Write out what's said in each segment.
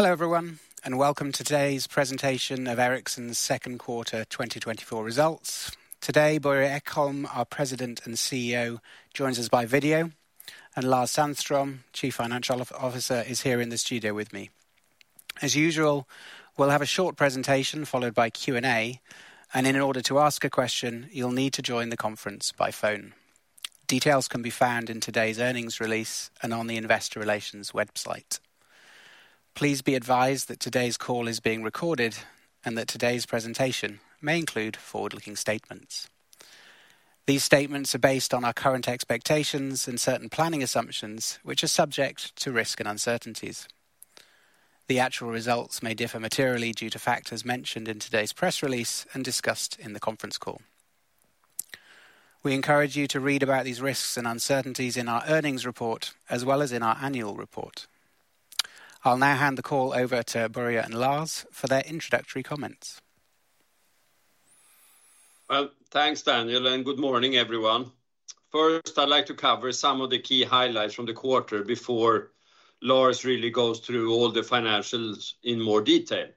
Hello, everyone, and welcome to today's presentation of Ericsson's second quarter 2024 results. Today, Börje Ekholm, our President and CEO, joins us by video, and Lars Sandström, Chief Financial Officer, is here in the studio with me. As usual, we'll have a short presentation, followed by Q&A, and in order to ask a question, you'll need to join the conference by phone. Details can be found in today's earnings release and on the investor relations website. Please be advised that today's call is being recorded and that today's presentation may include forward-looking statements. These statements are based on our current expectations and certain planning assumptions, which are subject to risk and uncertainties. The actual results may differ materially due to factors mentioned in today's press release and discussed in the conference call. We encourage you to read about these risks and uncertainties in our earnings report, as well as in our annual report. I'll now hand the call over to Börje and Lars for their introductory comments. Well, thanks, Daniel, and good morning, everyone. First, I'd like to cover some of the key highlights from the quarter before Lars really goes through all the financials in more detail.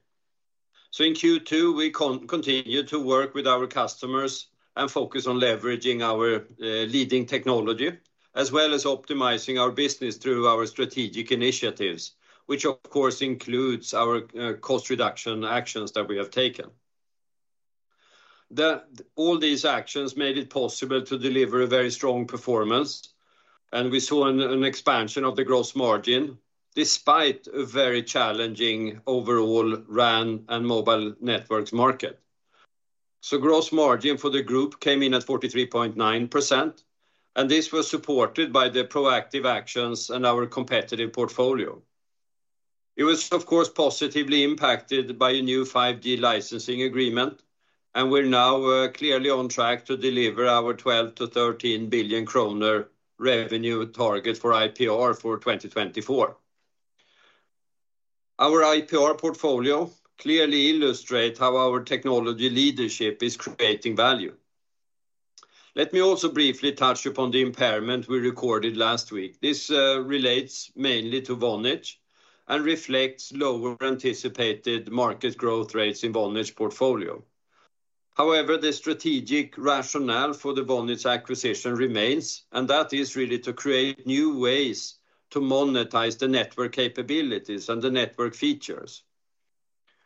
So in Q2, we continued to work with our customers and focus on leveraging our leading technology, as well as optimizing our business through our strategic initiatives, which, of course, includes our cost reduction actions that we have taken. All these actions made it possible to deliver a very strong performance, and we saw an expansion of the gross margin despite a very challenging overall RAN and mobile networks market. So gross margin for the group came in at 43.9%, and this was supported by the proactive actions and our competitive portfolio. It was, of course, positively impacted by a new 5G licensing agreement, and we're now clearly on track to deliver our 12 billion-13 billion kronor revenue target for IPR for 2024. Our IPR portfolio clearly illustrate how our technology leadership is creating value. Let me also briefly touch upon the impairment we recorded last week. This relates mainly to Vonage and reflects lower anticipated market growth rates in Vonage portfolio. However, the strategic rationale for the Vonage acquisition remains, and that is really to create new ways to monetize the network capabilities and the network features.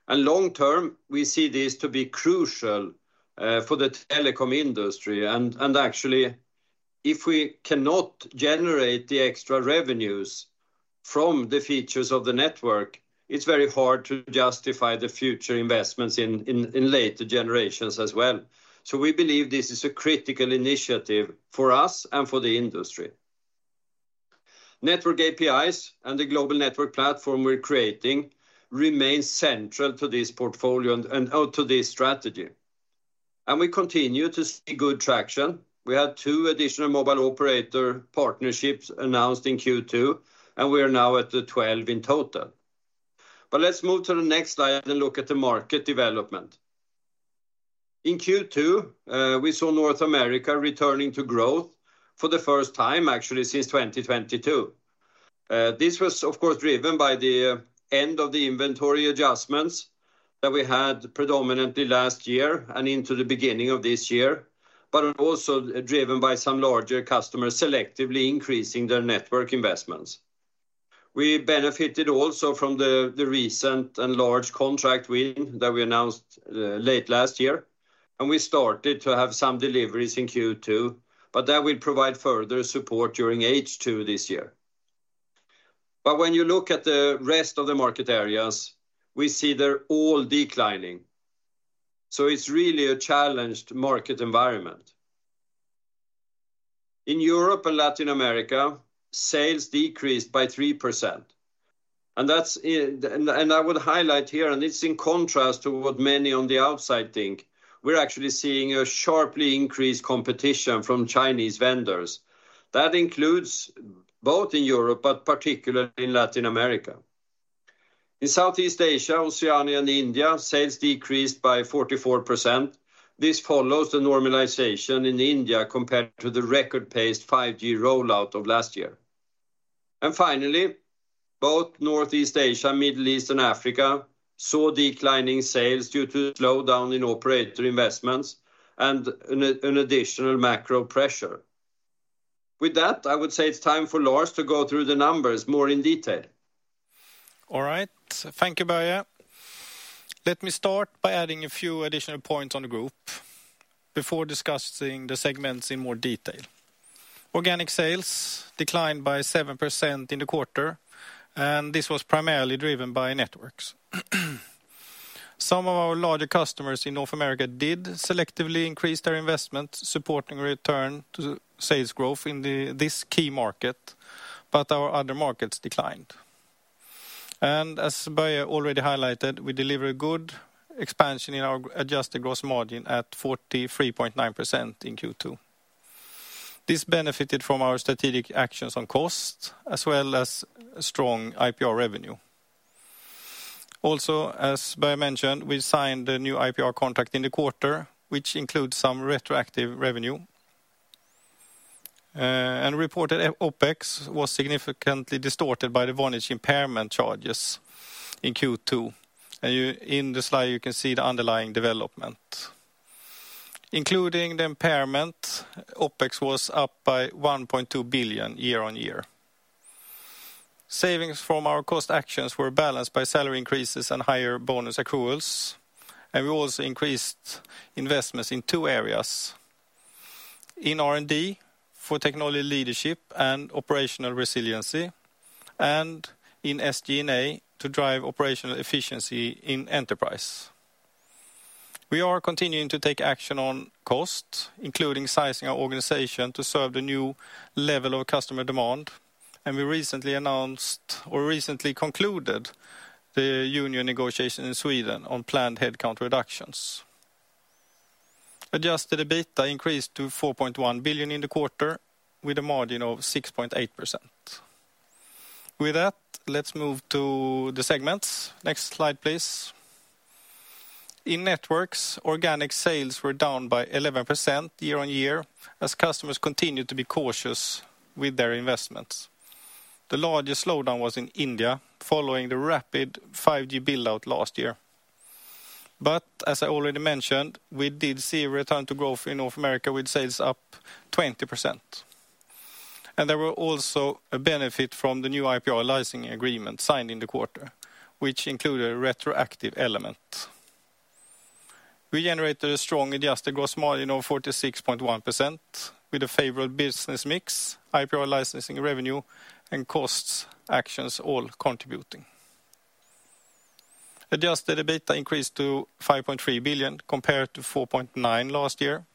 And long term, we see this to be crucial for the telecom industry, and, and actually, if we cannot generate the extra revenues from the features of the network, it's very hard to justify the future investments in later generations as well. So we believe this is a critical initiative for us and for the industry. Network APIs and the Global Network Platform we're creating remain central to this portfolio and to this strategy, and we continue to see good traction. We had two additional mobile operator partnerships announced in Q2, and we are now at 12 in total. But let's move to the next slide and look at the market development. In Q2, we saw North America returning to growth for the first time, actually, since 2022. This was, of course, driven by the end of the inventory adjustments that we had predominantly last year and into the beginning of this year, but also driven by some larger customers selectively increasing their network investments. We benefited also from the recent and large contract win that we announced late last year, and we started to have some deliveries in Q2, but that will provide further support during H2 this year. But when you look at the rest of the market areas, we see they're all declining, so it's really a challenged market environment. In Europe and Latin America, sales decreased by 3%, and that's, and I would highlight here, and it's in contrast to what many on the outside think, we're actually seeing a sharply increased competition from Chinese vendors. That includes both in Europe, but particularly in Latin America. In Southeast Asia, Oceania and India, sales decreased by 44%. This follows the normalization in India compared to the record-paced 5G rollout of last year. And finally, both Northeast Asia, Middle East, and Africa saw declining sales due to the slowdown in operator investments and an additional macro pressure. With that, I would say it's time for Lars to go through the numbers more in detail. All right. Thank you, Börje. Let me start by adding a few additional points on the group before discussing the segments in more detail. Organic sales declined by 7% in the quarter, and this was primarily driven by Networks. Some of our larger customers in North America did selectively increase their investment, supporting a return to sales growth in this key market, but our other markets declined. As Börje already highlighted, we delivered good expansion in our adjusted gross margin at 43.9% in Q2. This benefited from our strategic actions on cost, as well as strong IPR revenue. Also, as Börje mentioned, we signed a new IPR contract in the quarter, which includes some retroactive revenue.... Reported OpEx was significantly distorted by the Vonage impairment charges in Q2. In the slide, you can see the underlying development. Including the impairment, OpEx was up by 1.2 billion year-on-year. Savings from our cost actions were balanced by salary increases and higher bonus accruals, and we also increased investments in two areas: in R&D for technology leadership and operational resiliency, and in SG&A to drive operational efficiency in enterprise. We are continuing to take action on cost, including sizing our organization to serve the new level of customer demand, and we recently announced or recently concluded the union negotiation in Sweden on planned headcount reductions. Adjusted EBITDA increased to 4.1 billion in the quarter, with a margin of 6.8%. With that, let's move to the segments. Next slide, please. In Networks, organic sales were down by 11% year-on-year, as customers continued to be cautious with their investments. The largest slowdown was in India, following the rapid 5G build-out last year. But as I already mentioned, we did see a return to growth in North America, with sales up 20%. And there were also a benefit from the new IPR licensing agreement signed in the quarter, which included a retroactive element. We generated a strong adjusted gross margin of 46.1% with a favorable business mix, IPR licensing revenue, and cost actions all contributing. Adjusted EBITDA increased to 5.3 billion, compared to 4.9 billion last year,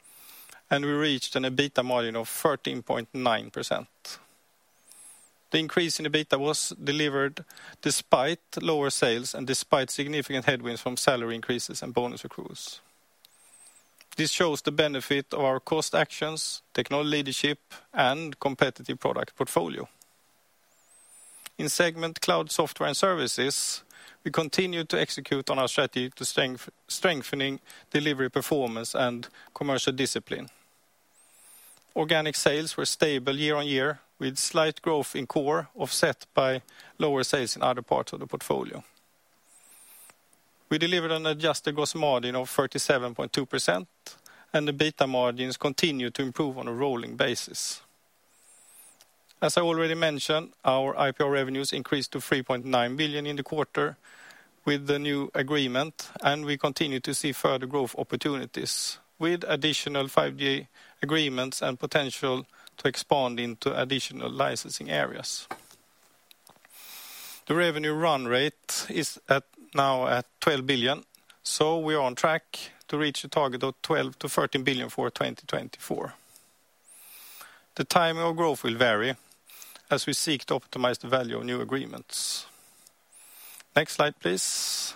and we reached an EBITDA margin of 13.9%. The increase in EBITDA was delivered despite lower sales and despite significant headwinds from salary increases and bonus accruals. This shows the benefit of our cost actions, technology leadership, and competitive product portfolio. In segment Cloud Software and Services, we continued to execute on our strategy to strengthening delivery, performance, and commercial discipline. Organic sales were stable year-on-year, with slight growth in core, offset by lower sales in other parts of the portfolio. We delivered an adjusted gross margin of 37.2%, and EBITDA margins continued to improve on a rolling basis. As I already mentioned, our IPR revenues increased to 3.9 billion in the quarter with the new agreement, and we continue to see further growth opportunities, with additional 5G agreements and potential to expand into additional licensing areas. The revenue run rate is at, now at 12 billion, so we are on track to reach a target of 12 billion-13 billion for 2024. The timing of growth will vary as we seek to optimize the value of new agreements. Next slide, please.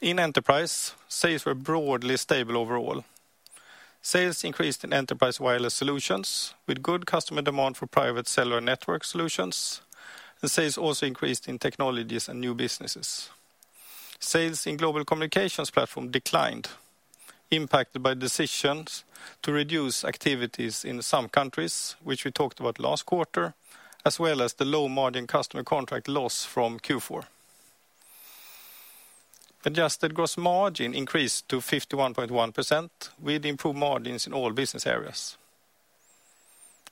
In Enterprise, sales were broadly stable overall. Sales increased in Enterprise Wireless Solutions, with good customer demand for private cellular network solutions, and sales also increased in Technologies and New Businesses. Sales in Global Communications Platform declined, impacted by decisions to reduce activities in some countries, which we talked about last quarter, as well as the low-margin customer contract loss from Q4. Adjusted gross margin increased to 51.1%, with improved margins in all business areas.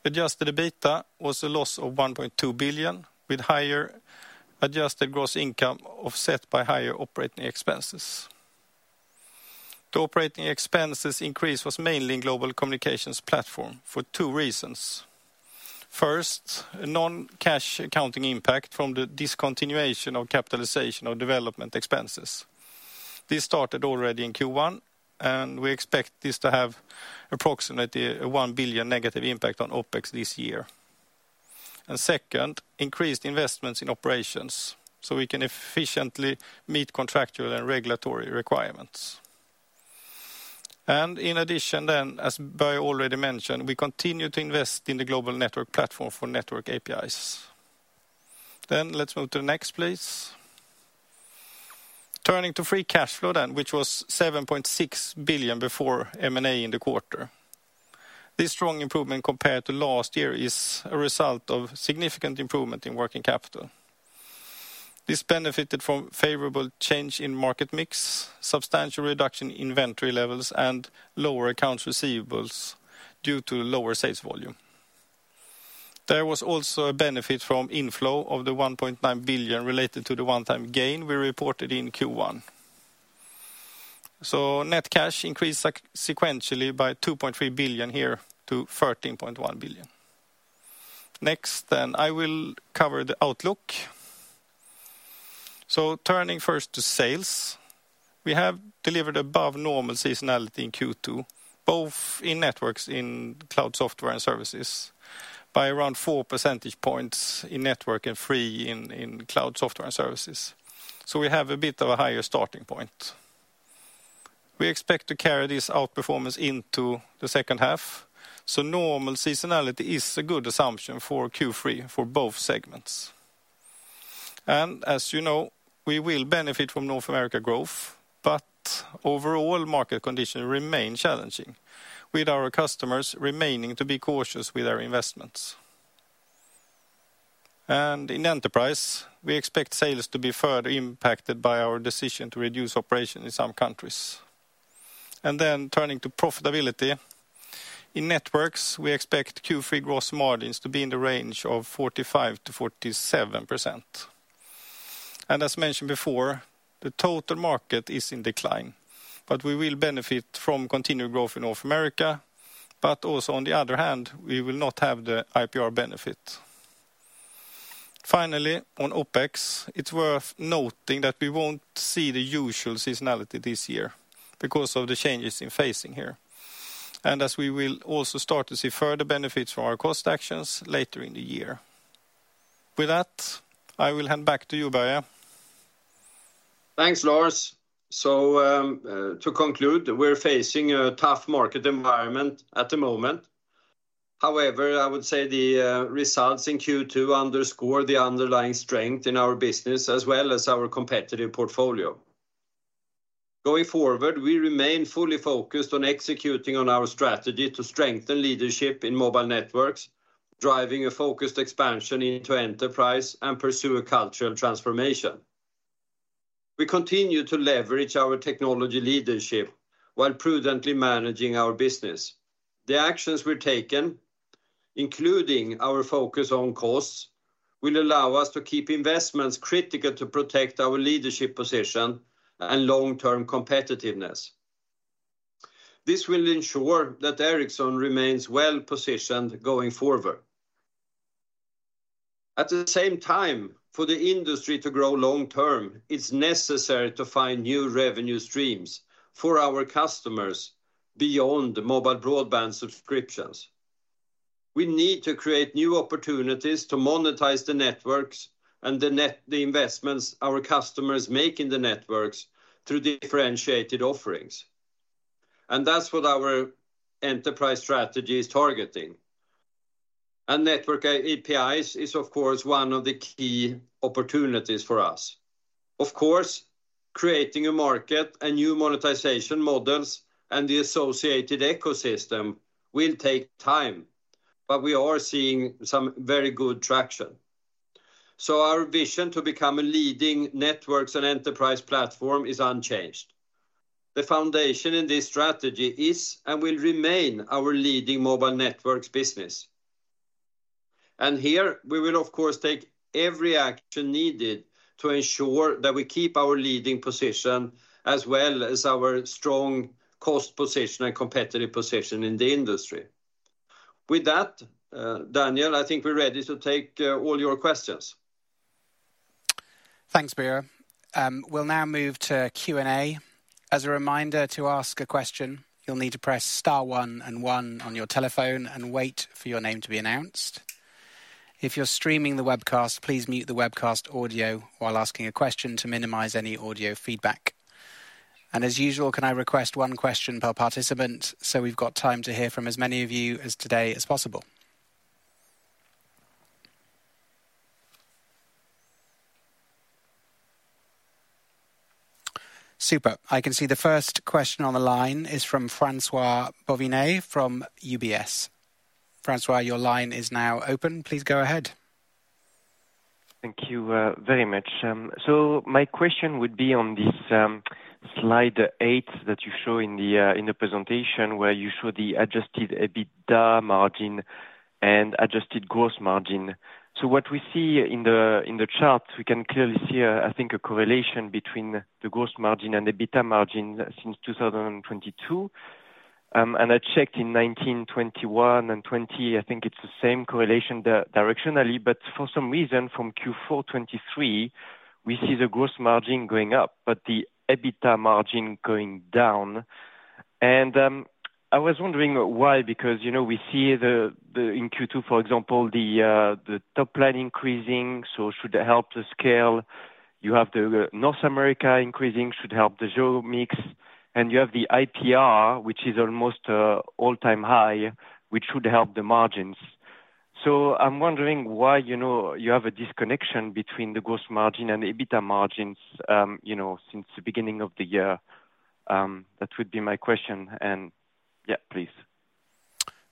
Adjusted EBITDA was a loss of 1.2 billion, with higher adjusted gross income offset by higher operating expenses. The operating expenses increase was mainly in Global Communications Platform for two reasons. First, a non-cash accounting impact from the discontinuation of capitalization of development expenses. This started already in Q1, and we expect this to have approximately a 1 billion negative impact on OpEx this year. And second, increased investments in operations, so we can efficiently meet contractual and regulatory requirements. And in addition, then, as Börje already mentioned, we continue to invest in the Global Network Platform for network APIs. Then let's move to the next, please. Turning to free cash flow, then, which was 7.6 billion before M&A in the quarter. This strong improvement compared to last year is a result of significant improvement in working capital. This benefited from favorable change in market mix, substantial reduction in inventory levels, and lower accounts receivables due to lower sales volume. There was also a benefit from inflow of the 1.9 billion related to the one-time gain we reported in Q1. So net cash increased sequentially by 2.3 billion here to 13.1 billion. Next, then, I will cover the outlook. So turning first to sales, we have delivered above normal seasonality in Q2, both in Networks, in Cloud Software and Services, by around 4 percentage points in Networks and 3 in Cloud Software and Services. So we have a bit of a higher starting point. We expect to carry this outperformance into the second half, so normal seasonality is a good assumption for Q3 for both segments, and as you know, we will benefit from North America growth, but overall market conditions remain challenging, with our customers remaining to be cautious with their investments. And in enterprise, we expect sales to be further impacted by our decision to reduce operations in some countries. And then turning to profitability, in Networks, we expect Q3 gross margins to be in the range of 45%-47%. As mentioned before, the total market is in decline, but we will benefit from continued growth in North America, but also on the other hand, we will not have the IPR benefit. Finally, on OpEx, it's worth noting that we won't see the usual seasonality this year because of the changes we have been facing here. As we will also start to see further benefits from our cost actions later in the year. With that, I will hand back to you, Börje. Thanks, Lars. So, to conclude, we're facing a tough market environment at the moment. However, I would say the results in Q2 underscore the underlying strength in our business, as well as our competitive portfolio. Going forward, we remain fully focused on executing on our strategy to strengthen leadership in mobile networks, driving a focused expansion into enterprise, and pursue a cultural transformation. We continue to leverage our technology leadership while prudently managing our business. The actions we've taken, including our focus on costs, will allow us to keep investments critical to protect our leadership position and long-term competitiveness. This will ensure that Ericsson remains well-positioned going forward. At the same time, for the industry to grow long term, it's necessary to find new revenue streams for our customers beyond the mobile broadband subscriptions. We need to create new opportunities to monetize the networks and the investments our customers make in the networks through differentiated offerings, and that's what our enterprise strategy is targeting. Network APIs is, of course, one of the key opportunities for us. Of course, creating a market and new monetization models and the associated ecosystem will take time, but we are seeing some very good traction. Our vision to become a leading networks and enterprise platform is unchanged. The foundation in this strategy is, and will remain, our leading mobile networks business. Here, we will, of course, take every action needed to ensure that we keep our leading position, as well as our strong cost position and competitive position in the industry. With that, Daniel, I think we're ready to take all your questions. Thanks, Börje. We'll now move to Q&A. As a reminder, to ask a question, you'll need to press star one and one on your telephone and wait for your name to be announced. If you're streaming the webcast, please mute the webcast audio while asking a question to minimize any audio feedback. As usual, can I request one question per participant, so we've got time to hear from as many of you as today as possible? Super. I can see the first question on the line is from François Bouvignies from UBS. François, your line is now open. Please go ahead. Thank you very much. So my question would be on this slide 8 that you show in the presentation, where you show the Adjusted EBITDA margin and adjusted gross margin. So what we see in the chart, we can clearly see, I think, a correlation between the gross margin and EBITDA margin since 2022. And I checked in 2019, 2021, and 2020, I think it's the same correlation directionally, but for some reason, from Q4 2023, we see the gross margin going up, but the EBITDA margin going down. And I was wondering why, because, you know, we see the in Q2, for example, the top line increasing, so should help the scale. You have the North America increasing, should help the [group] mix, and you have the IPR, which is almost all-time high, which should help the margins. So I'm wondering why, you know, you have a disconnection between the gross margin and EBITDA margins, you know, since the beginning of the year. That would be my question. And yeah, please.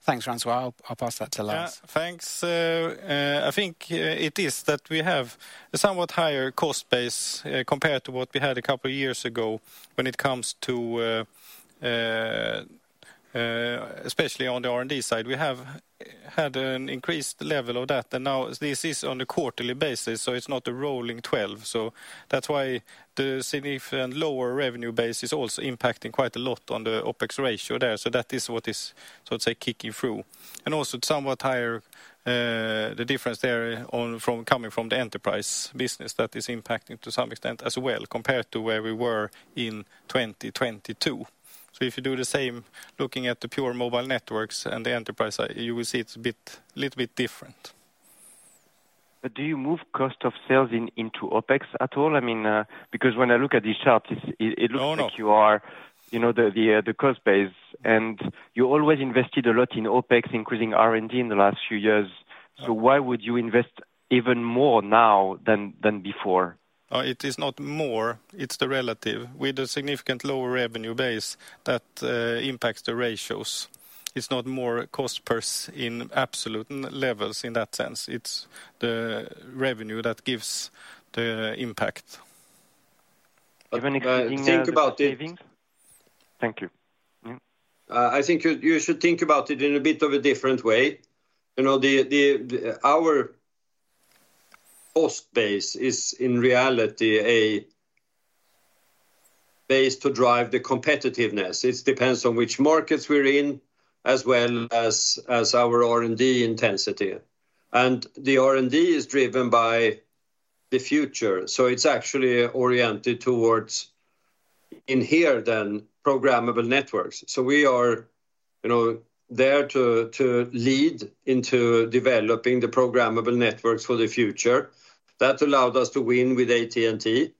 Thanks, François. I'll pass that to Lars. Yeah. Thanks. I think it is that we have a somewhat higher cost base compared to what we had a couple of years ago when it comes to especially on the R&D side. We have had an increased level of that, and now this is on a quarterly basis, so it's not a rolling twelve. So that's why the significant lower revenue base is also impacting quite a lot on the OpEx ratio there. So that is what is, so to say, kicking through. And also somewhat higher, the difference there coming from the enterprise business, that is impacting to some extent as well, compared to where we were in 2022. So if you do the same, looking at the pure Mobile Networks and the enterprise side, you will see it's a bit little bit different. Do you move cost of sales in, into OpEx at all? I mean, because when I look at these charts, it, No. No... it looks like you are, you know, the cost base, and you always invested a lot in OpEx, including R&D, in the last few years.... So why would you invest even more now than before? It is not more, it's the relative. With a significant lower revenue base, that, impacts the ratios. It's not more cost per se in absolute levels in that sense. It's the revenue that gives the impact. Even including- Think about it. Thank you. Mm. I think you should think about it in a bit of a different way. You know, our cost base is, in reality, a base to drive the competitiveness. It depends on which markets we're in, as well as our R&D intensity. And the R&D is driven by the future, so it's actually oriented towards, in here then, programmable networks. So we are, you know, there to lead into developing the programmable networks for the future. That allowed us to win with AT&T.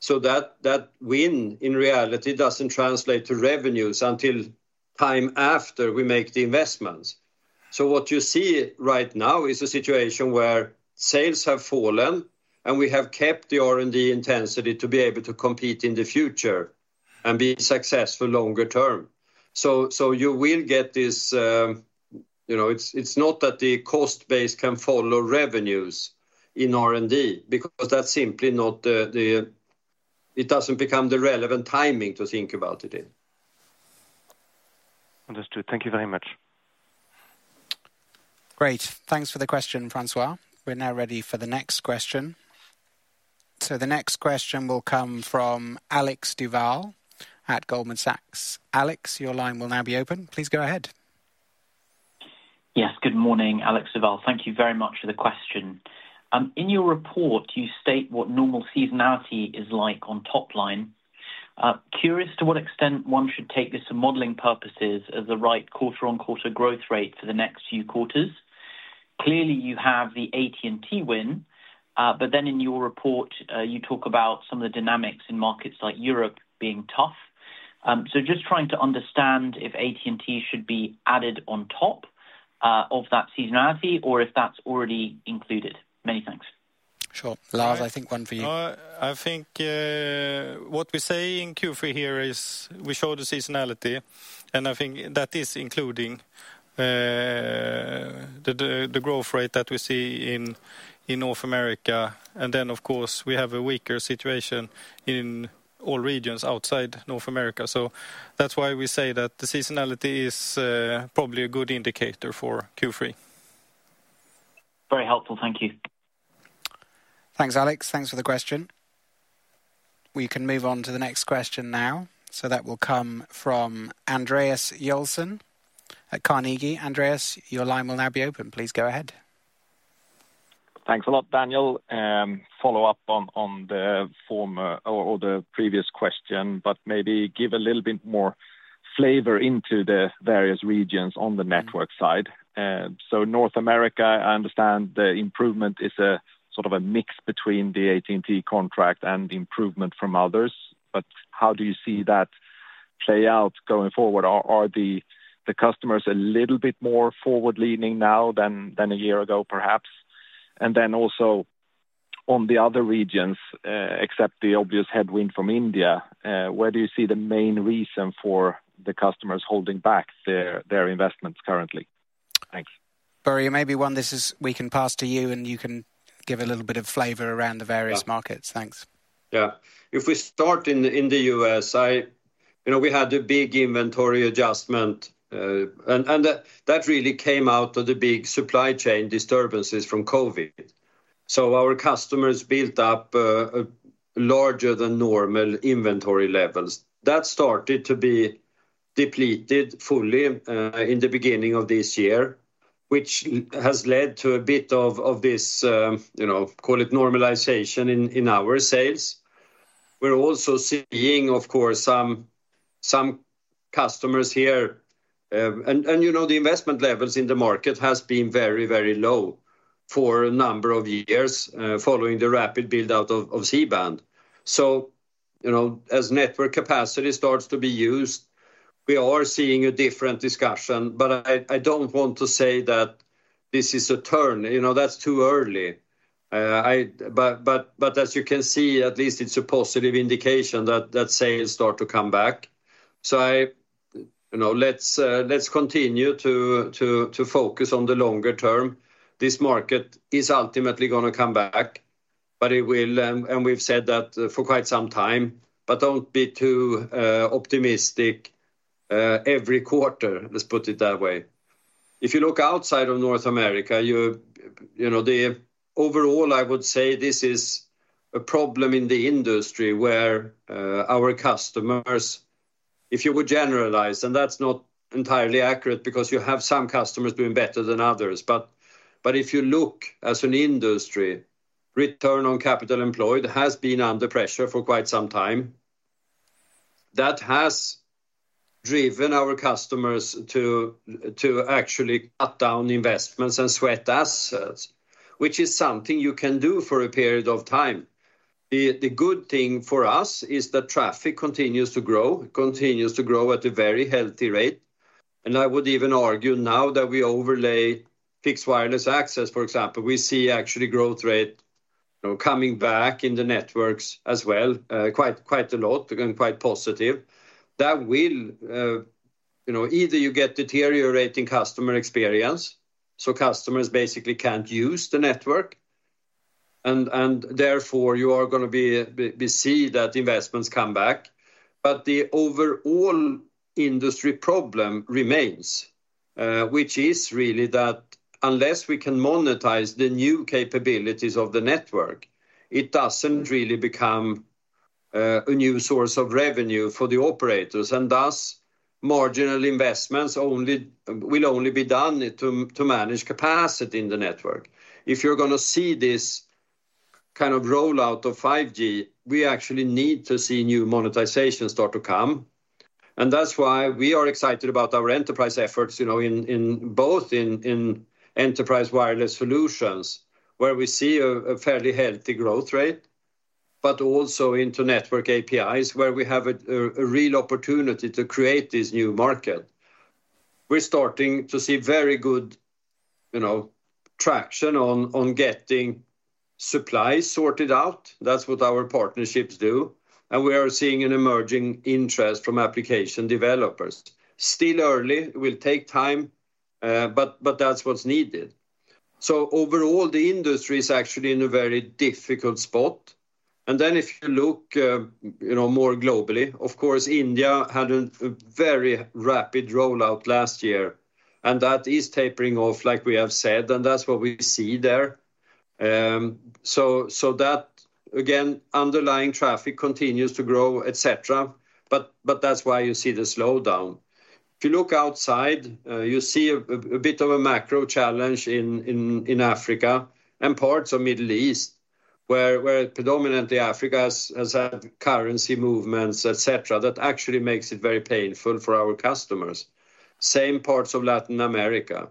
So that win, in reality, doesn't translate to revenues until time after we make the investments. So what you see right now is a situation where sales have fallen, and we have kept the R&D intensity to be able to compete in the future and be successful longer term. So, you will get this, you know, it's not that the cost base can follow revenues in R&D, because that's simply not the... It doesn't become the relevant timing to think about it in. Understood. Thank you very much. Great. Thanks for the question, François. We're now ready for the next question. The next question will come from Alex Duval at Goldman Sachs. Alex, your line will now be open. Please go ahead. Yes, good morning. Alex Duval. Thank you very much for the question. In your report, you state what normal seasonality is like on top line. Curious to what extent one should take this for modeling purposes as the right quarter-on-quarter growth rate for the next few quarters. Clearly, you have the AT&T win, but then in your report, you talk about some of the dynamics in markets like Europe being tough. So just trying to understand if AT&T should be added on top of that seasonality, or if that's already included. Many thanks. Sure. Lars, I think one for you. I think what we say in Q3 here is, we show the seasonality, and I think that is including the growth rate that we see in North America. And then, of course, we have a weaker situation in all regions outside North America. So that's why we say that the seasonality is probably a good indicator for Q3. Very helpful. Thank you. Thanks, Alex. Thanks for the question. We can move on to the next question now. So that will come from Andreas Joelsson at Carnegie. Andreas, your line will now be open. Please go ahead. Thanks a lot, Daniel. Follow up on the former or the previous question, but maybe give a little bit more flavor into the various regions on the network side. So North America, I understand the improvement is a sort of a mix between the AT&T contract and improvement from others, but how do you see that play out going forward? Are the customers a little bit more forward-leaning now than a year ago, perhaps? And then also, on the other regions, except the obvious headwind from India, where do you see the main reason for the customers holding back their investments currently? Thanks. Börje, maybe we can pass to you, and you can give a little bit of flavor around the various markets. Yeah. Thanks. Yeah. If we start in the U.S., I... You know, we had a big inventory adjustment, and that really came out of the big supply chain disturbances from COVID. So our customers built up larger than normal inventory levels. That started to be depleted fully in the beginning of this year, which has led to a bit of this, you know, call it normalization in our sales. We're also seeing, of course, some customers here... And you know, the investment levels in the market has been very, very low for a number of years following the rapid build-out of C-band. So, you know, as network capacity starts to be used, we are seeing a different discussion, but I don't want to say that this is a turn. You know, that's too early. I... But as you can see, at least it's a positive indication that sales start to come back. So I, you know, let's continue to focus on the longer term. This market is ultimately gonna come back, but it will, and we've said that for quite some time, but don't be too optimistic every quarter, let's put it that way. If you look outside of North America, you know, the... Overall, I would say this is a problem in the industry where our customers, if you would generalize, and that's not entirely accurate, because you have some customers doing better than others. But if you look as an industry, Return on Capital Employed has been under pressure for quite some time. That has driven our customers to actually cut down investments and sweat assets, which is something you can do for a period of time. The good thing for us is that traffic continues to grow, continues to grow at a very healthy rate. And I would even argue now that we overlay fixed wireless access, for example, we see actually growth rate, you know, coming back in the networks as well, quite, quite a lot, again, quite positive. That will, you know, either you get deteriorating customer experience, so customers basically can't use the network, and therefore, you are gonna be see that investments come back. But the overall industry problem remains, which is really that unless we can monetize the new capabilities of the network, it doesn't really become a new source of revenue for the operators, and thus, marginal investments only will only be done to manage capacity in the network. If you're gonna see this kind of rollout of 5G, we actually need to see new monetization start to come, and that's why we are excited about our enterprise efforts, you know, in both enterprise wireless solutions, where we see a fairly healthy growth rate, but also into network APIs, where we have a real opportunity to create this new market. We're starting to see very good, you know, traction on getting supplies sorted out. That's what our partnerships do, and we are seeing an emerging interest from application developers. Still early, it will take time, but that's what's needed. So overall, the industry is actually in a very difficult spot. And then, if you look, you know, more globally, of course, India had a very rapid rollout last year, and that is tapering off, like we have said, and that's what we see there. So that, again, underlying traffic continues to grow, et cetera, but that's why you see the slowdown. If you look outside, you see a bit of a macro challenge in Africa and parts of Middle East, where predominantly Africa has had currency movements, et cetera, that actually makes it very painful for our customers. Same parts of Latin America.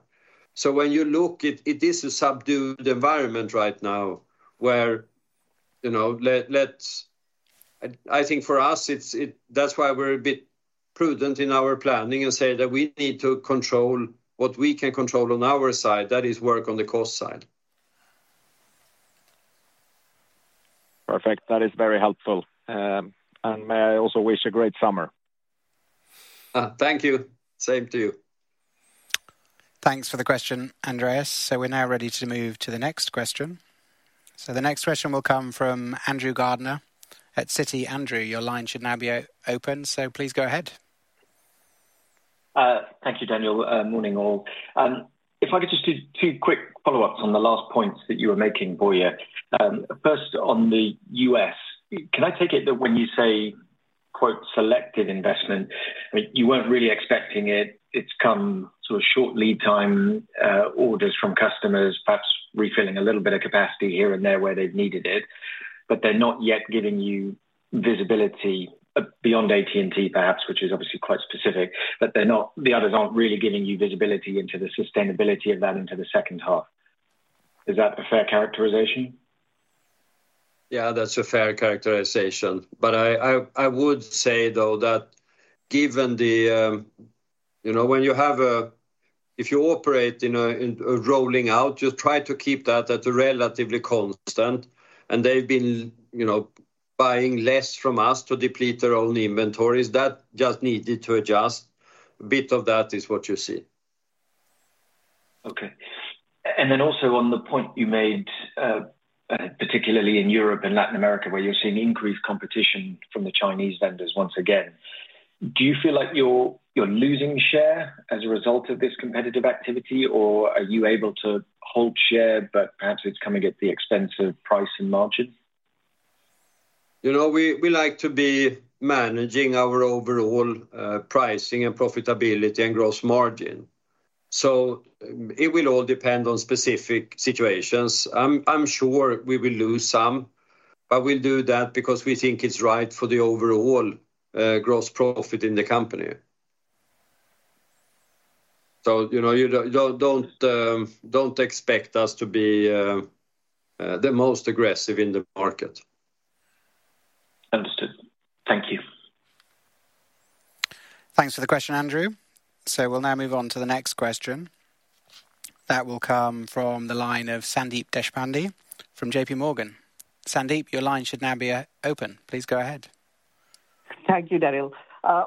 So when you look at it, it is a subdued environment right now, where, you know, let's—I think for us, it's—that's why we're a bit prudent in our planning and say that we need to control what we can control on our side, that is, work on the cost side. Perfect. That is very helpful. May I also wish a great summer. Thank you. Same to you. Thanks for the question, Andreas. So we're now ready to move to the next question. So the next question will come from Andrew Gardiner at Citi. Andrew, your line should now be open, so please go ahead. Thank you, Daniel. Morning, all. If I could just do two quick follow-ups on the last points that you were making, Börje. First, on the U.S., can I take it that when you say, quote, "selective investment," you weren't really expecting it? It's come sort of short lead time orders from customers, perhaps refilling a little bit of capacity here and there where they've needed it, but they're not, the others aren't really giving you visibility into the sustainability of that into the second half. Is that a fair characterization? Yeah, that's a fair characterization. But I would say, though, that given the, you know, when you have a rolling out, you try to keep that at a relatively constant, and they've been, you know, buying less from us to deplete their own inventories. That just needed to adjust. A bit of that is what you see. Okay. And then also on the point you made, particularly in Europe and Latin America, where you're seeing increased competition from the Chinese vendors once again. Do you feel like you're losing share as a result of this competitive activity, or are you able to hold share, but perhaps it's coming at the expense of price and margins? You know, we like to be managing our overall pricing and profitability and gross margin, so it will all depend on specific situations. I'm sure we will lose some, but we'll do that because we think it's right for the overall gross profit in the company. So, you know, you don't expect us to be the most aggressive in the market. Understood. Thank you. Thanks for the question, Andrew. So we'll now move on to the next question. That will come from the line of Sandeep Deshpande from J.P. Morgan. Sandeep, your line should now be open. Please go ahead. Thank you, Daniel.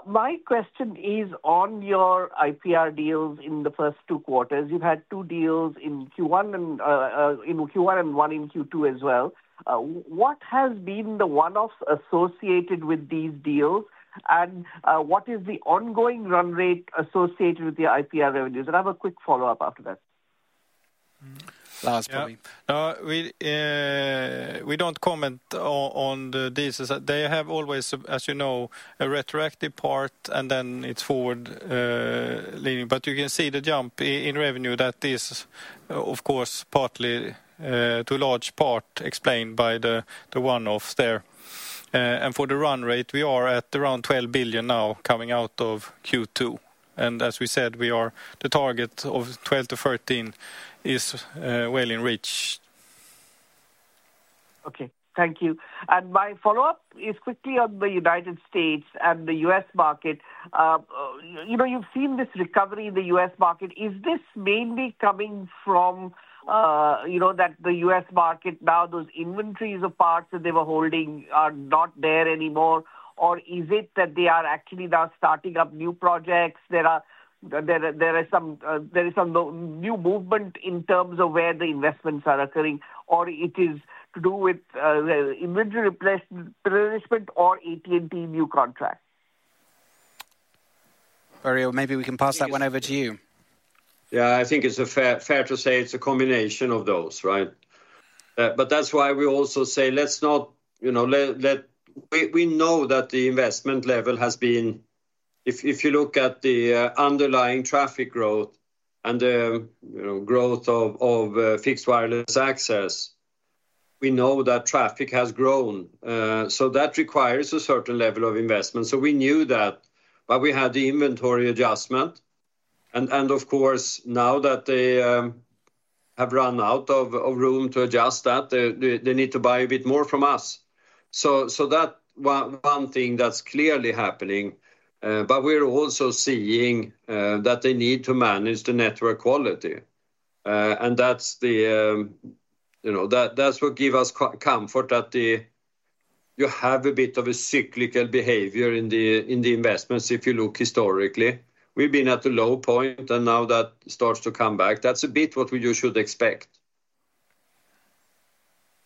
My question is, on your IPR deals in the first two quarters, you've had two deals in Q1 and in Q1 and one in Q2 as well. What has been the one-off associated with these deals, and what is the ongoing run rate associated with the IPR revenues? And I have a quick follow-up after that. Yeah. We don't comment on the deals. They have always, as you know, a retroactive part, and then it's forward leaning. But you can see the jump in revenue that is, of course, partly to a large part explained by the one-off there. ... and for the run rate, we are at around 12 billion now coming out of Q2. And as we said, we are, the target of 12 billion-13 billion is, well in reach. Okay, thank you. And my follow-up is quickly on the United States and the U.S. market. You know, you've seen this recovery in the U.S. market. Is this mainly coming from, you know, that the U.S. market, now those inventories of parts that they were holding are not there anymore? Or is it that they are actually now starting up new projects, there is some new movement in terms of where the investments are occurring, or it is to do with, the inventory replenishment or AT&T new contracts? Börje, maybe we can pass that one over to you. Yeah, I think it's fair to say it's a combination of those, right? But that's why we also say, let's not, you know, we know that the investment level has been... If you look at the underlying traffic growth and the, you know, growth of fixed wireless access, we know that traffic has grown. So that requires a certain level of investment, so we knew that. But we had the inventory adjustment, and of course, now that they have run out of room to adjust that, they need to buy a bit more from us. So that one thing that's clearly happening, but we're also seeing that they need to manage the network quality. And that's the, you know, that, that's what give us comfort, that you have a bit of a cyclical behavior in the, in the investments if you look historically. We've been at a low point, and now that starts to come back. That's a bit what we you should expect.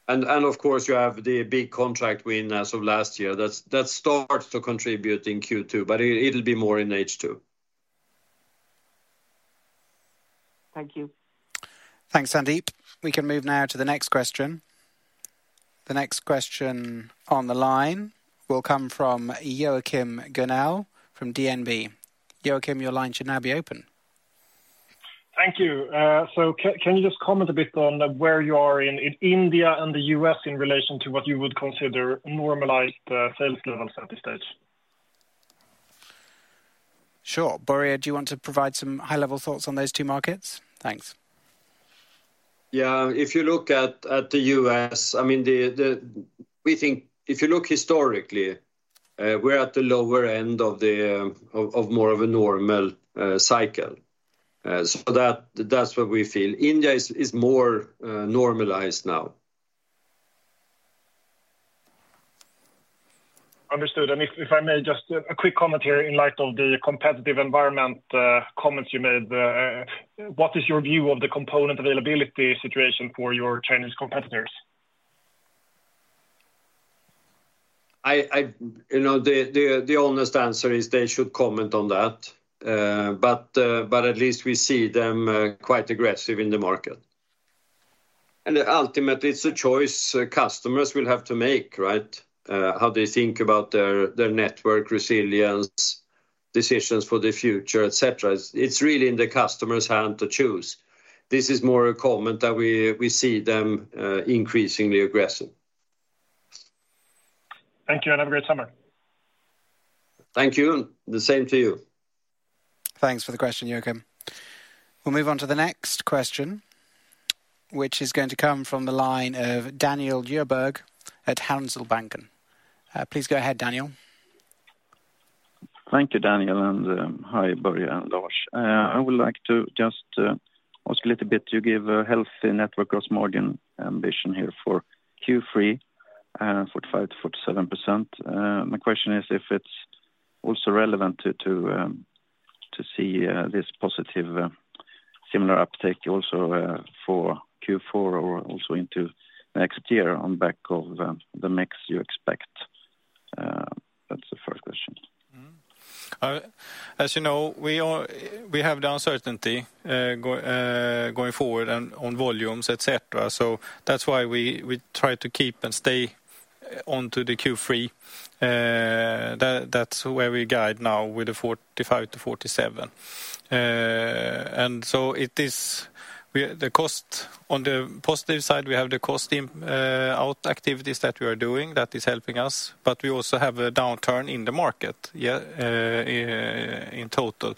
And, and of course, you have the big contract win as of last year. That's, that starts to contribute in Q2, but it, it'll be more in H2. Thank you. Thanks, Sandeep. We can move now to the next question. The next question on the line will come from Joachim Gunell from DNB. Joachim, your line should now be open. Thank you. So can you just comment a bit on where you are in India and the U.S. in relation to what you would consider normalized sales levels at this stage? Sure. Börje, do you want to provide some high-level thoughts on those two markets? Thanks. Yeah, if you look at the U.S., I mean, we think if you look historically, we're at the lower end of more of a normal cycle. So that's what we feel. India is more normalized now. Understood. And if I may, just a quick comment here in light of the competitive environment, comments you made. What is your view of the component availability situation for your Chinese competitors? You know, the honest answer is they should comment on that. But, but at least we see them quite aggressive in the market. And ultimately, it's a choice customers will have to make, right? How they think about their network resilience, decisions for the future, et cetera. It's really in the customer's hand to choose. This is more a comment that we see them increasingly aggressive. Thank you, and have a great summer. Thank you, and the same to you. Thanks for the question, Joachim. We'll move on to the next question, which is going to come from the line of Daniel Djurberg at Handelsbanken. Please go ahead, Daniel. Thank you, Daniel, and hi, Börje and Lars. I would like to just ask a little bit. You gave a healthy network gross margin ambition here for Q3, 45%-47%. My question is, if it's also relevant to see this positive similar uptake also for Q4 or also into next year on back of the mix you expect? That's the first question. Mm-hmm. As you know, we have the uncertainty going forward and on volumes, et cetera. So that's why we try to keep and stay on to the Q3. That's where we guide now with the 45-47. And so it is. The cost, on the positive side, we have the cost-out activities that we are doing. That is helping us, but we also have a downturn in the market in total,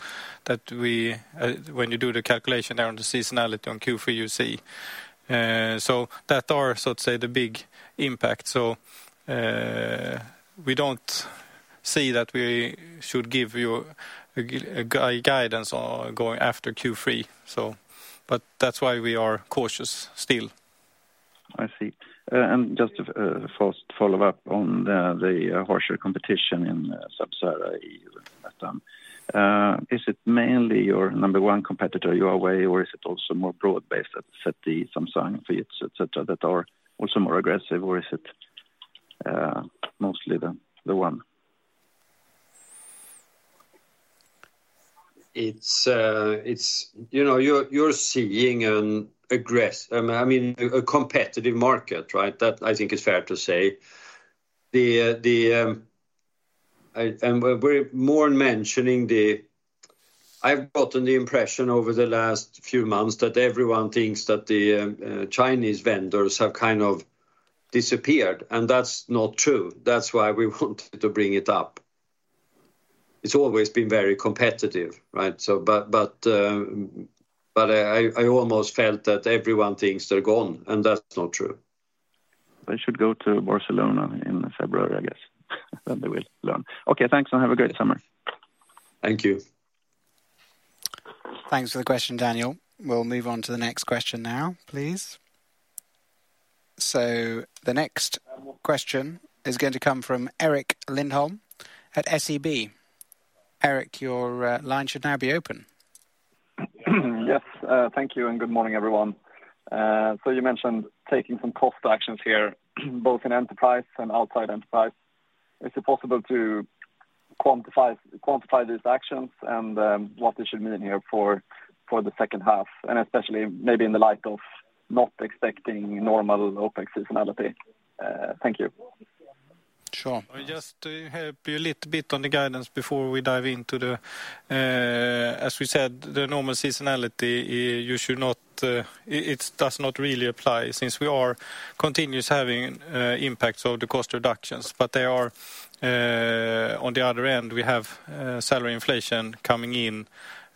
that when you do the calculation there on the seasonality on Q3, you see. So that are, so to say, the big impact. So we don't see that we should give you guidance on going after Q3. But that's why we are cautious still. I see. And just a first follow-up on the harsher competition in Sub-Saharan Africa, is it mainly your number one competitor, Huawei, or is it also more broad-based at ZTE, Samsung, Nokia, et cetera, that are also more aggressive, or is it mostly the one? It's... You know, you're seeing. I mean, a competitive market, right? That, I think, is fair to say. The... and we're more mentioning the. I've gotten the impression over the last few months that everyone thinks that the Chinese vendors have kind of disappeared, and that's not true. That's why we wanted to bring it up. It's always been very competitive, right? So but I almost felt that everyone thinks they're gone, and that's not true. They should go to Barcelona in February, I guess, then they will learn. Okay, thanks, and have a great summer. Thank you. Thanks for the question, Daniel. We'll move on to the next question now, please. The next question is going to come from Erik Lindholm at SEB. Erik, your line should now be open. Yes, thank you and good morning, everyone. So you mentioned taking some cost actions here, both in enterprise and outside enterprise. Is it possible to quantify these actions and what they should mean here for the second half, and especially maybe in the light of not expecting normal OpEx seasonality? Thank you. Sure. Just to help you a little bit on the guidance before we dive into the. As we said, the normal seasonality, you should not, it does not really apply since we are continuous having impacts of the cost reductions. But they are, on the other end, we have salary inflation coming in,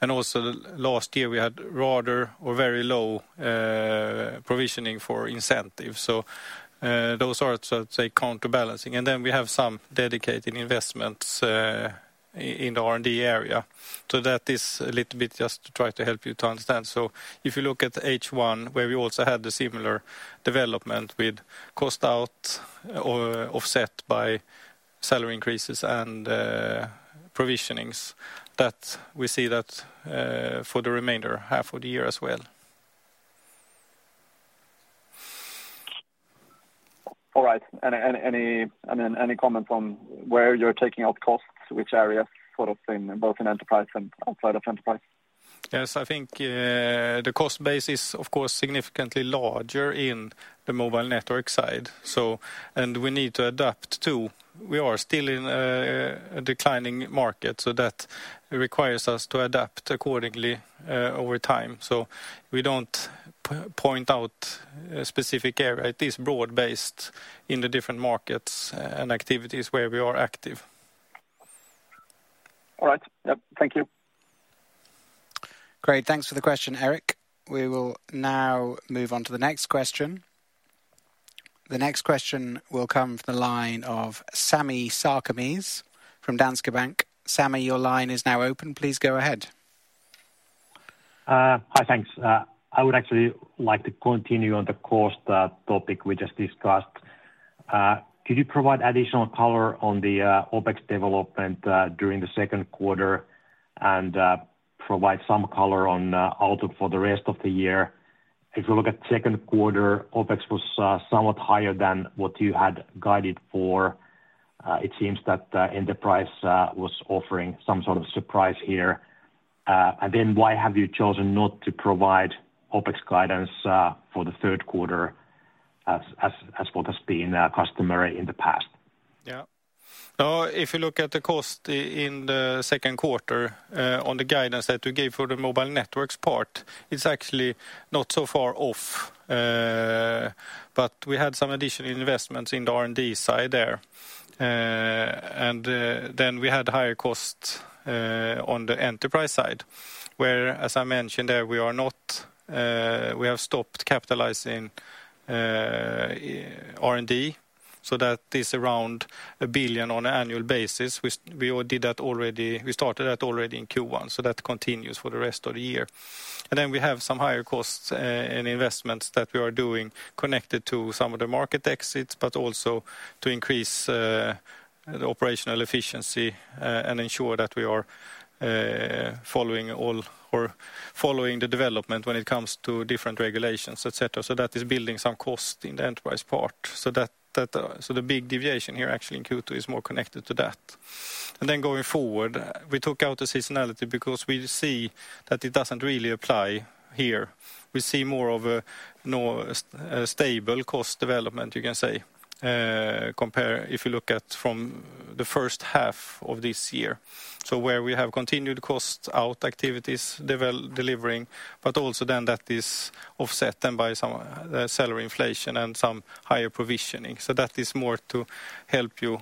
and also last year we had rather or very low provisioning for incentives. So, those are, so say, counterbalancing. And then we have some dedicated investments in the R&D area. So that is a little bit just to try to help you to understand. So if you look at H1, where we also had the similar development with cost out or offset by salary increases and provisionings, that we see for the remainder half of the year as well. All right. I mean, any comment on where you're taking out costs, which areas, sort of, in both enterprise and outside of enterprise? Yes, I think, the cost base is, of course, significantly larger in the mobile network side. So and we need to adapt, too. We are still in a declining market, so that requires us to adapt accordingly, over time. So we don't point out a specific area. It is broad-based in the different markets and activities where we are active. All right. Yep, thank you. Great. Thanks for the question, Eric. We will now move on to the next question. The next question will come from the line of Sami Sarkamies from Danske Bank. Sami, your line is now open. Please go ahead. Hi. Thanks. I would actually like to continue on the cost topic we just discussed. Could you provide additional color on the OpEx development during the second quarter, and provide some color on outlook for the rest of the year? If you look at second quarter, OpEx was somewhat higher than what you had guided for. It seems that Enterprise was offering some sort of surprise here. And then why have you chosen not to provide OpEx guidance for the third quarter as what has been customary in the past? Yeah. If you look at the cost in the second quarter, on the guidance that we gave for the mobile networks part, it's actually not so far off. But we had some additional investments in the R&D side there. And then we had higher costs, on the enterprise side, where, as I mentioned, there, we have stopped capitalizing R&D, so that is around 1 billion on an annual basis. We started that already in Q1, so that continues for the rest of the year. And then we have some higher costs and investments that we are doing connected to some of the market exits, but also to increase the operational efficiency and ensure that we are following the development when it comes to different regulations, et cetera. So that is building some cost in the enterprise part. So the big deviation here actually in Q2 is more connected to that. And then going forward, we took out the seasonality because we see that it doesn't really apply here. We see more of a stable cost development, you can say, comparable if you look at from the first half of this year. So where we have continued cost out activities delivering, but also then that is offset by some salary inflation and some higher provisioning. So that is more to help you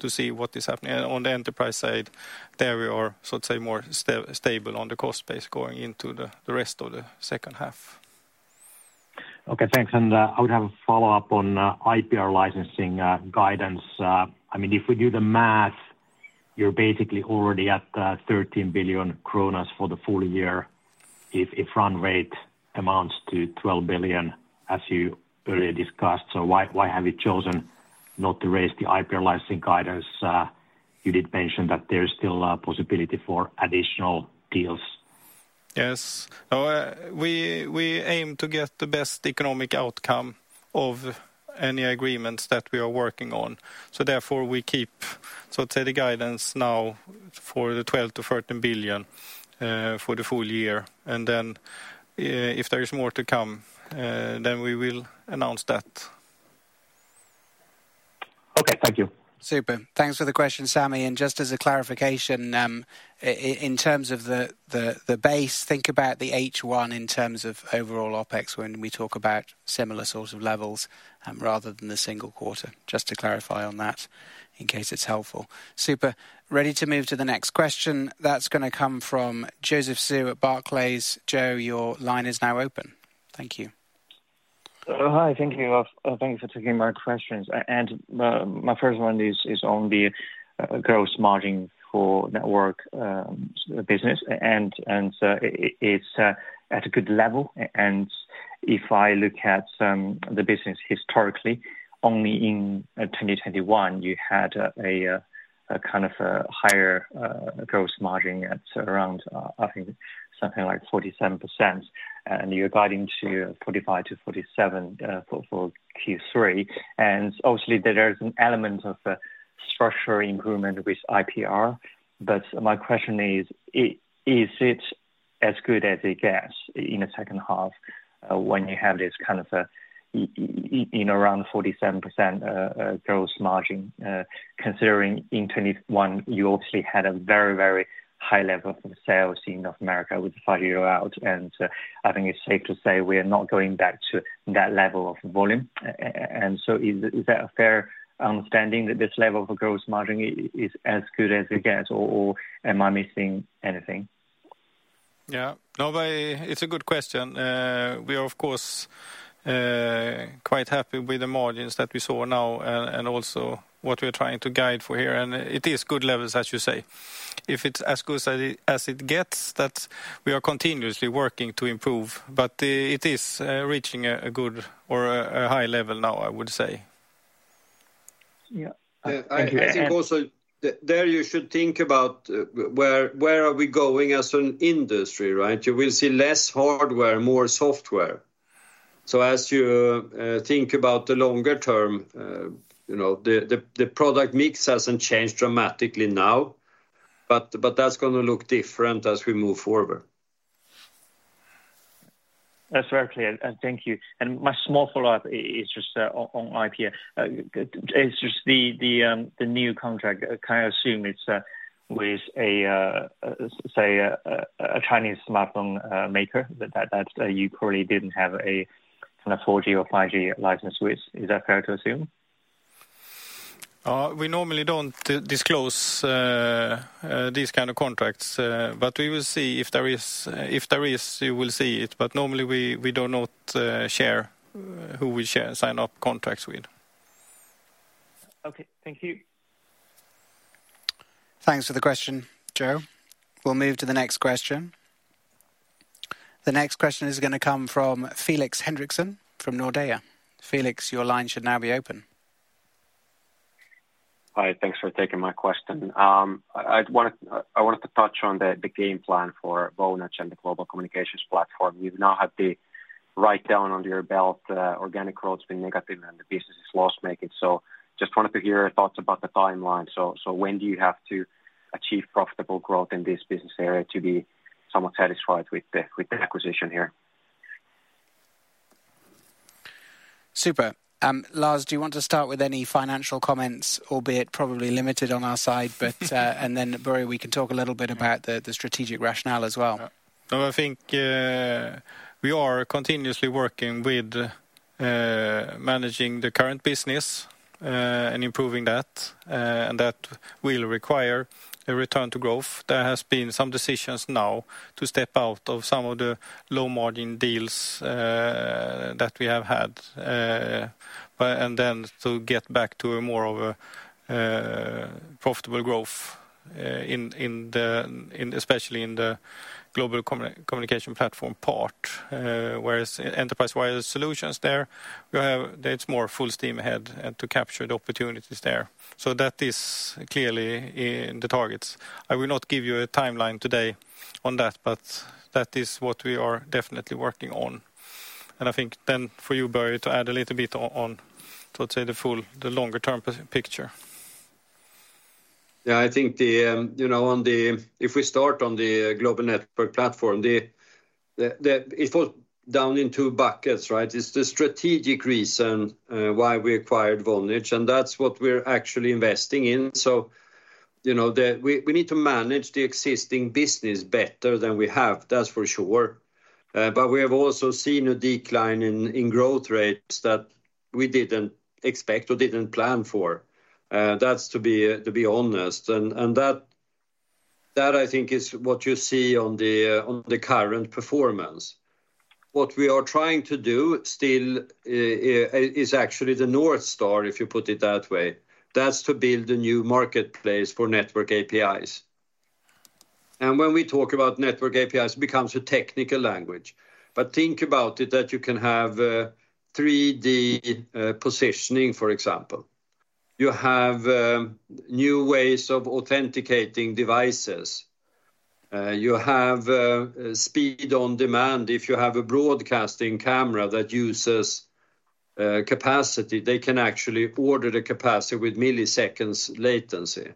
to see what is happening. On the enterprise side, there we are, so to say, more stable on the cost base going into the rest of the second half. Okay, thanks. And I would have a follow-up on IPR licensing guidance. I mean, if we do the math, you're basically already at 13 billion kronor for the full year, if run rate amounts to 12 billion, as you earlier discussed. So why, why have you chosen not to raise the IPR licensing guidance? You did mention that there is still a possibility for additional deals. Yes. We aim to get the best economic outcome of any agreements that we are working on. So therefore, I'd say the guidance now for 12 billion-13 billion for the full year, and then, if there is more to come, then we will announce that. Okay, thank you. Super. Thanks for the question, Sammy. And just as a clarification, in terms of the base, think about the H1 in terms of overall OpEx when we talk about similar sorts of levels, rather than the single quarter. Just to clarify on that, in case it's helpful. Super. Ready to move to the next question. That's gonna come from Joseph Zhou at Barclays. Joe, your line is now open. Thank you. Hi. Thank you. Thanks for taking my questions. And my first one is on the gross margin for Networks business. And it's at a good level, and if I look at the business historically, only in 2021, you had a kind of a higher gross margin at around, I think something like 47%, and you're guiding to 45%-47% for Q3. And obviously, there is an element of structural improvement with IPR, but my question is: Is it as good as it gets in the second half, when you have this kind of a in around 47% gross margin, considering in 2021, you obviously had a very, very high level of sales in North America with 5G rollout? And, I think it's safe to say we are not going back to that level of volume. And so is that a fair understanding, that this level of a Gross Margin is as good as it gets, or am I missing anything? Yeah. No, but it's a good question. We are, of course, quite happy with the margins that we saw now, and also what we're trying to guide for here, and it is good levels, as you say. If it's as good as it gets, that's we are continuously working to improve. But, it is reaching a good or a high level now, I would say. Yeah. Thank you. I think also there you should think about where are we going as an industry, right? You will see less hardware, more software. So as you think about the longer term, you know, the product mix hasn't changed dramatically now, but that's gonna look different as we move forward. That's very clear, and thank you. And my small follow-up is just on IP. It's just the new contract, can I assume it's with, say, a Chinese smartphone maker that you probably didn't have a kind of 4G or 5G license with? Is that fair to assume? We normally don't disclose these kind of contracts, but we will see. If there is, if there is, you will see it, but normally, we do not share who we sign up contracts with. Okay. Thank you. Thanks for the question, Joe. We'll move to the next question. The next question is gonna come from Felix Henriksson from Nordea. Felix, your line should now be open. Hi, thanks for taking my question. I wanted to touch on the game plan for Vonage and the global communications platform. You've now had the write-down under your belt. Organic growth's been negative, and the business is loss-making. So just wanted to hear your thoughts about the timeline. So when do you have to achieve profitable growth in this business area to be somewhat satisfied with the acquisition here? Super. Lars, do you want to start with any financial comments, albeit probably limited on our side, but... And then, Börje, we can talk a little bit about the strategic rationale as well. Yeah. No, I think, we are continuously working with, managing the current business, and improving that, and that will require a return to growth. There has been some decisions now to step out of some of the low-margin deals, that we have had. But and then to get back to a more of a, profitable growth, in, in the, in especially in the Global Communications Platform part, whereas Enterprise Wireless Solutions there, we have—it's more full steam ahead and to capture the opportunities there. So that is clearly in the targets. I will not give you a timeline today on that, but that is what we are definitely working on. And I think then for you, Börje, to add a little bit on, let's say, the full, the longer term picture. Yeah, I think the, you know, on the... If we start on the, Global Network Platform, it falls down in two buckets, right? It's the strategic reason why we acquired Vonage, and that's what we're actually investing in. So, you know, we need to manage the existing business better than we have, that's for sure. But we have also seen a decline in growth rates that we didn't expect or didn't plan for, that's to be honest. And that I think is what you see on the, on the current performance. What we are trying to do still is actually the North Star, if you put it that way. That's to build a new marketplace for Network APIs. And when we talk about Network APIs, it becomes a technical language. But think about it, that you can have, 3D, positioning, for example. You have, new ways of authenticating devices. You have, speed on demand. If you have a broadcasting camera that uses, capacity, they can actually order the capacity with milliseconds latency.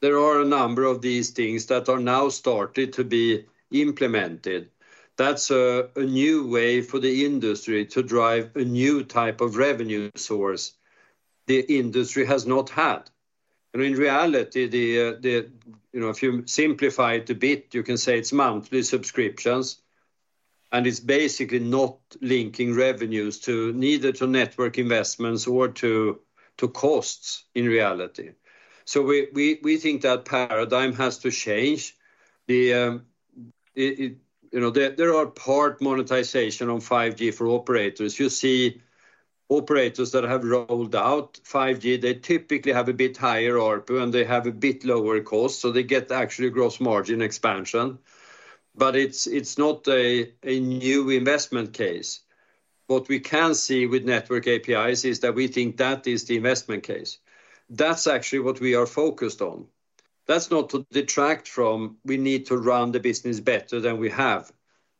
There are a number of these things that are now started to be implemented. That's a new way for the industry to drive a new type of revenue source the industry has not had. And in reality, the, you know, if you simplify it a bit, you can say it's monthly subscriptions, and it's basically not linking revenues to neither to network investments or to, costs in reality. So we think that paradigm has to change. The, you know, there are part monetization on 5G for operators. You see, operators that have rolled out 5G, they typically have a bit higher ARPU, and they have a bit lower cost, so they get actually gross margin expansion. But it's not a new investment case. What we can see with network APIs is that we think that is the investment case. That's actually what we are focused on. That's not to detract from we need to run the business better than we have.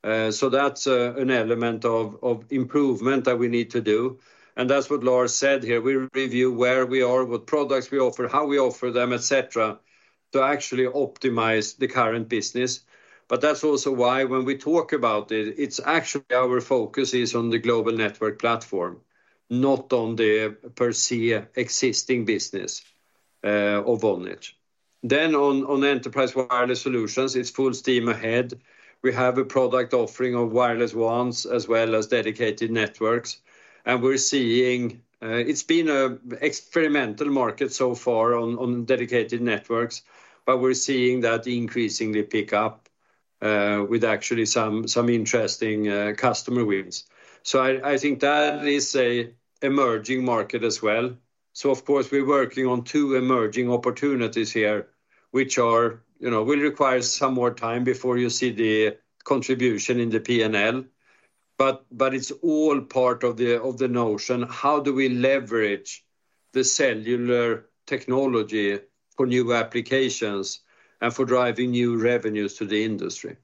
So that's an element of improvement that we need to do, and that's what Lars said here. We review where we are, what products we offer, how we offer them, et cetera, to actually optimize the current business. But that's also why when we talk about it, it's actually our focus is on the Global Network Platform, not on the per se existing business of Vonage. Then on Enterprise Wireless Solutions, it's full steam ahead. We have a product offering of wireless WANs as well as dedicated networks, and we're seeing. It's been an experimental market so far on dedicated networks, but we're seeing that increasingly pick up with actually some interesting customer wins. So I think that is an emerging market as well. So of course, we're working on two emerging opportunities here, which are, you know, will require some more time before you see the contribution in the P&L. But it's all part of the notion, how do we leverage the cellular technology for new applications and for driving new revenues to the industry?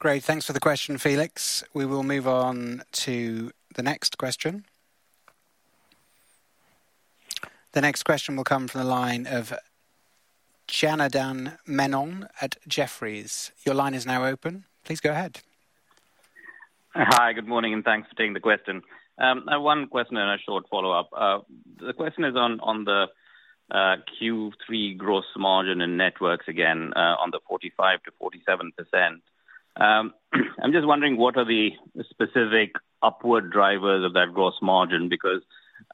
Great. Thanks for the question, Felix. We will move on to the next question. The next question will come from the line of Janardan Menon at Jefferies. Your line is now open. Please go ahead. Hi, good morning, and thanks for taking the question. I have one question and a short follow-up. The question is on the Q3 gross margin and Networks again, on the 45%-47%. I'm just wondering, what are the specific upward drivers of that gross margin? Because,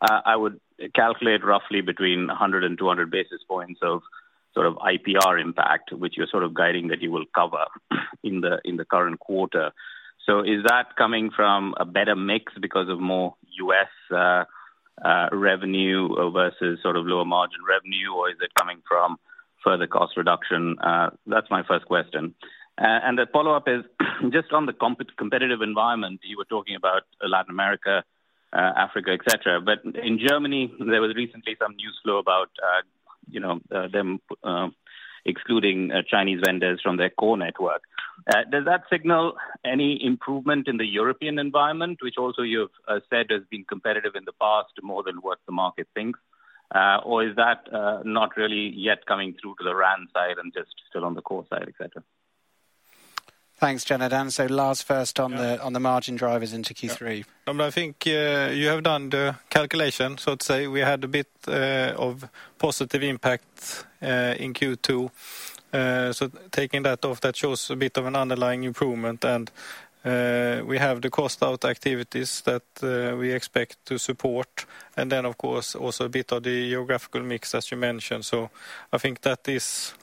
I would calculate roughly between 100 and 200 basis points of sort of IPR impact, which you're sort of guiding that you will cover, in the current quarter. So is that coming from a better mix because of more U.S. revenue versus sort of lower margin revenue, or is it coming from further cost reduction? That's my first question. And the follow-up is, just on the competitive environment, you were talking about Latin America, Africa, et cetera. But in Germany, there was recently some news flow about, you know, them excluding Chinese vendors from their core network. Does that signal any improvement in the European environment, which also you've said has been competitive in the past, more than what the market thinks? Or is that not really yet coming through to the RAN side and just still on the core side, et cetera? Thanks, Janardan. So Lars, first on the- Yeah... on the margin drivers into Q3. Yeah. I think you have done the calculation, so I'd say we had a bit of positive impact in Q2. So taking that off, that shows a bit of an underlying improvement, and we have the cost out activities that we expect to support. And then, of course, also a bit of the geographical mix, as you mentioned. So I think that is,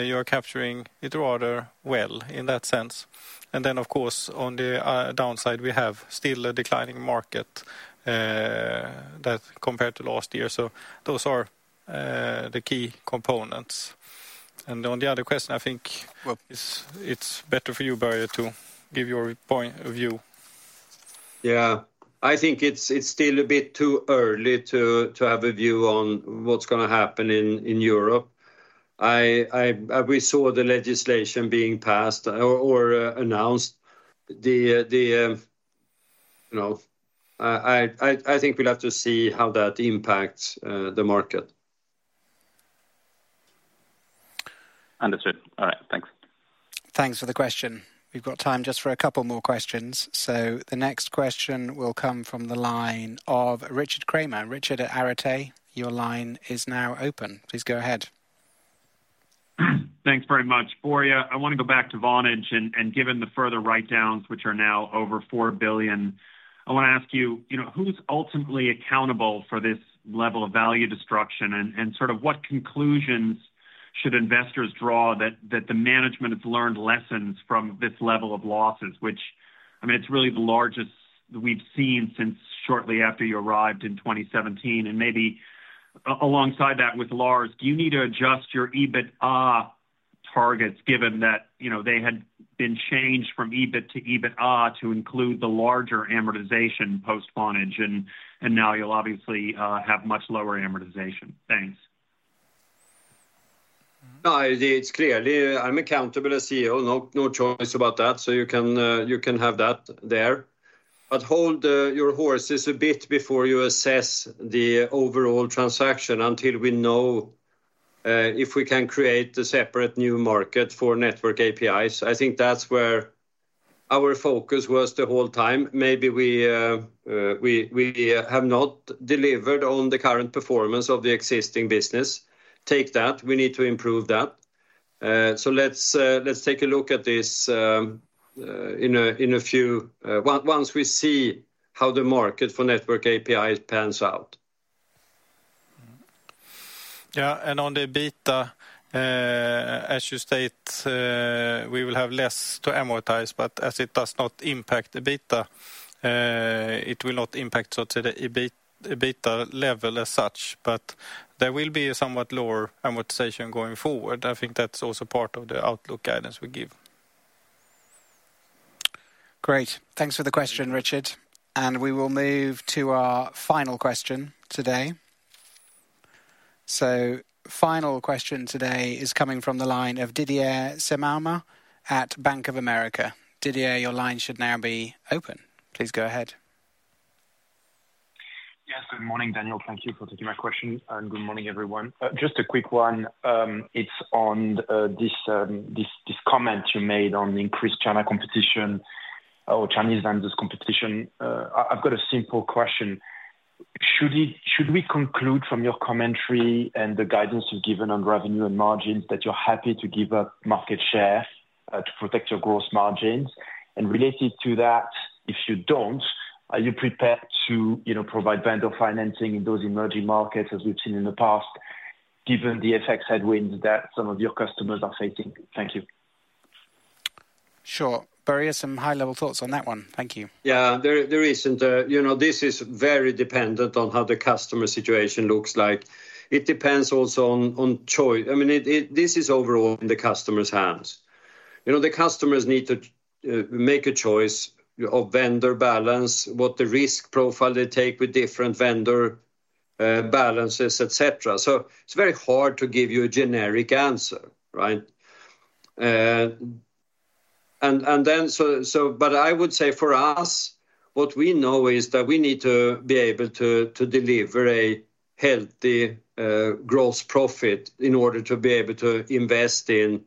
you're capturing it rather well in that sense. And then, of course, on the downside, we have still a declining market that compared to last year. So those are the key components. And on the other question, I think- Well... It's better for you, Börje, to give your point of view. Yeah. I think it's still a bit too early to have a view on what's gonna happen in Europe. We saw the legislation being passed or announced. You know, I think we'll have to see how that impacts the market. Understood. All right. Thanks. Thanks for the question. We've got time just for a couple more questions. So the next question will come from the line of Richard Kramer. Richard at Arete, your line is now open. Please go ahead. Thanks very much, Börje. I wanna go back to Vonage and, given the further write-downs, which are now over 4 billion, I wanna ask you, you know, who's ultimately accountable for this level of value destruction? And sort of what conclusions should investors draw that the management has learned lessons from this level of losses, which, I mean, it's really the largest that we've seen since shortly after you arrived in 2017. And maybe alongside that with Lars, do you need to adjust your EBITDA targets, given that, you know, they had been changed from EBIT to EBITDA to include the larger amortization post-Vonage, and now you'll obviously have much lower amortization. Thanks. No, it's clear. I'm accountable as CEO. No choice about that. So you can have that there. But hold your horses a bit before you assess the overall transaction until we know if we can create a separate new market for network APIs. I think that's where our focus was the whole time. Maybe we have not delivered on the current performance of the existing business. Take that. We need to improve that. So let's take a look at this in a few... Once we see how the market for network APIs pans out. Yeah, and on the EBITDA, as you state, we will have less to amortize, but as it does not impact EBITDA, it will not impact so to the EBITDA level as such, but there will be a somewhat lower amortization going forward. I think that's also part of the outlook guidance we give. Great. Thanks for the question, Richard. We will move to our final question today. Final question today is coming from the line of Didier Scemama at Bank of America. Didier, your line should now be open. Please go ahead. Yes. Good morning, Daniel. Thank you for taking my question, and good morning, everyone. Just a quick one. It's on this comment you made on increased China competition or Chinese vendors competition. I've got a simple question. Should we conclude from your commentary and the guidance you've given on revenue and margins, that you're happy to give up market share to protect your gross margins? And related to that, if you don't, are you prepared to, you know, provide vendor financing in those emerging markets, as we've seen in the past, given the FX headwinds that some of your customers are facing? Thank you. Sure. Börje, some high-level thoughts on that one. Thank you. Yeah. There isn't, you know, this is very dependent on how the customer situation looks like. It depends also on choice. I mean, this is overall in the customer's hands. You know, the customers need to make a choice of vendor balance, what the risk profile they take with different vendor balances, et cetera. So it's very hard to give you a generic answer, right? But I would say for us, what we know is that we need to be able to deliver a healthy gross profit in order to be able to invest in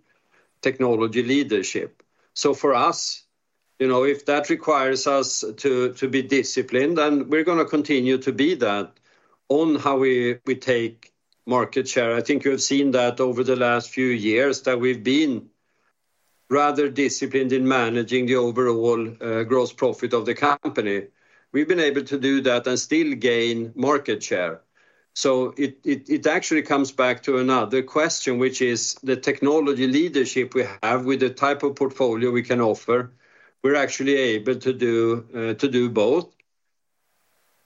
technology leadership. So for us, you know, if that requires us to be disciplined, then we're gonna continue to be that. On how we take market share, I think you've seen that over the last few years, that we've been rather disciplined in managing the overall gross profit of the company. We've been able to do that and still gain market share. So it actually comes back to another question, which is the technology leadership we have with the type of portfolio we can offer, we're actually able to do both.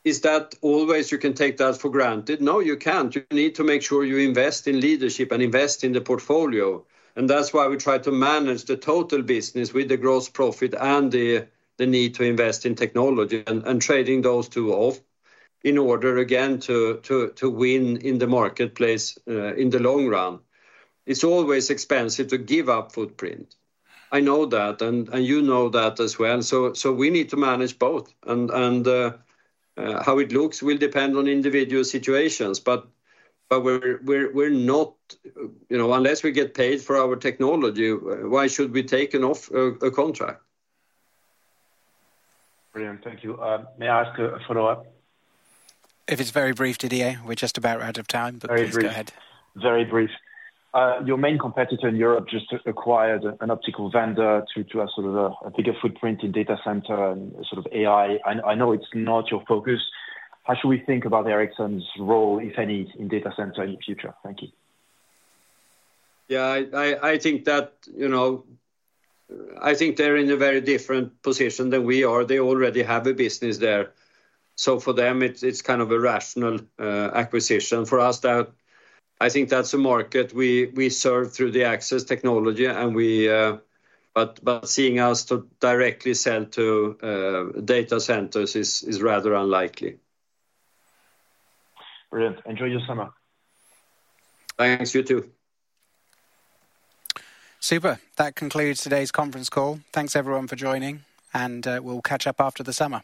Is that always you can take that for granted? No, you can't. You need to make sure you invest in leadership and invest in the portfolio, and that's why we try to manage the total business with the gross profit and the need to invest in technology and trading those two off in order, again, to win in the marketplace in the long run. It's always expensive to give up footprint. I know that, and you know that as well. So we need to manage both, and how it looks will depend on individual situations. But we're not, you know, unless we get paid for our technology, why should we be taken off a contract? Brilliant, thank you. May I ask a follow-up? If it's very brief, Didier, we're just about out of time. Very brief. But please go ahead. Very brief. Your main competitor in Europe just acquired an optical vendor to have sort of a bigger footprint in data center and sort of AI. I know it's not your focus. How should we think about Ericsson's role, if any, in data center in the future? Thank you. Yeah, I think that, you know, I think they're in a very different position than we are. They already have a business there. So for them, it's kind of a rational acquisition. For us, that. I think that's a market we serve through the access technology, and we... But seeing us to directly sell to data centers is rather unlikely. Brilliant. Enjoy your summer. Thanks. You, too. Super. That concludes today's conference call. Thanks, everyone, for joining, and we'll catch up after the summer.